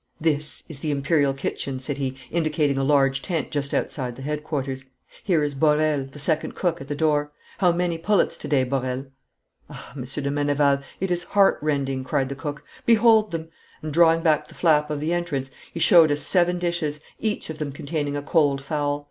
'This is the Imperial kitchen,' said he, indicating a large tent just outside the headquarters. 'Here is Borel, the second cook, at the door. How many pullets to day, Borel?' 'Ah, Monsieur de Meneval, it is heartrending,' cried the cook. 'Behold them!' and, drawing back the flap of the entrance, he showed us seven dishes, each of them containing a cold fowl.